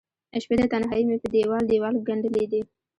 شپې د تنهائې مې په دیوال، دیوال ګنډلې دي